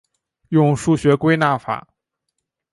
用数学归纳法。